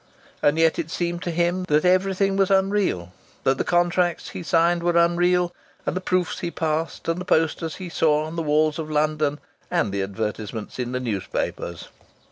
And yet it seemed to him also that everything was unreal, that the contracts he signed were unreal, and the proofs he passed, and the posters he saw on the walls of London, and the advertisements in the newspapers.